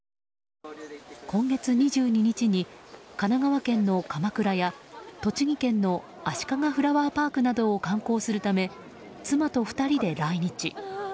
今月２２日に、神奈川県の鎌倉や栃木県のあしかがフラワーパークなどを観光するため、妻と２人で来日。